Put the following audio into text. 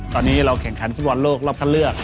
ตอนนี้เราแข่งขันฟุตบอลโลกรอบคัดเลือก